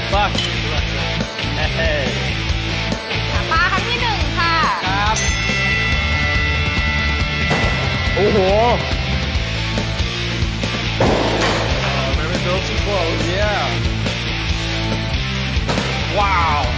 ปลาครับที่๑ค่ะ